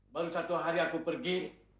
baru satu hari aku pergi